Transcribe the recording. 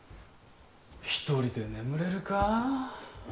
１人で眠れるか？